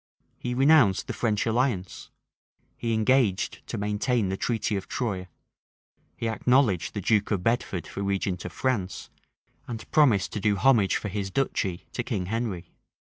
he renounced the French alliance; he engaged to maintain the treaty of Troye; he acknowledged the duke of Bedford for regent of France; and promised to do homage for his duchy to King Henry.